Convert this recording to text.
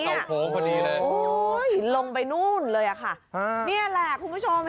เดาโค้กพอดีเลยโอ้โหลงไปนู่นเลยค่ะนี่แหละคุณผู้ชม